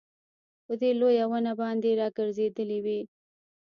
په دې لويه ونه باندي راګرځېدلې وې